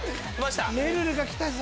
めるるがきたぞ！